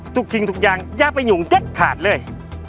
จุดจริงทุกอย่างยากไปหยุ่งเจ็ดขาดเลย